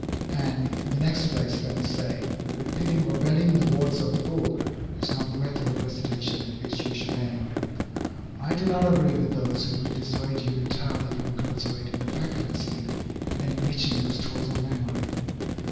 And, in the next place, let me say, that repeating verbatim the words of the book, is not the method of recitation at which you should aim. I do not agree with those who would dissuade you entirely from cultivating the faculty and enriching the stores of memory.